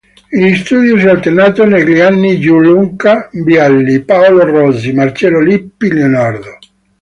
In studio si alternano negli anni Gianluca Vialli, Paolo Rossi, Marcello Lippi, Leonardo.